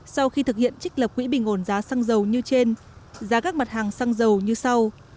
sau khi thực hiện trích lập quỹ bình ổn giá xăng dầu như trên giá các mặt hàng xăng dầu như sau